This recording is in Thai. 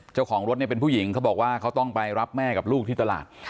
เจ้าของรถเนี่ยเป็นผู้หญิงเขาบอกว่าเขาต้องไปรับแม่กับลูกที่ตลาด